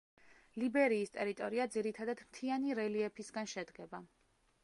ლიბერიის ტერიტორია ძირითადად მთიანი რელიეფისგან შედგება.